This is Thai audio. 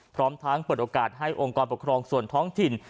พร้อมทั้งเปิดโอกาสให้องค์กรปกครองส่วนท้องถิ่น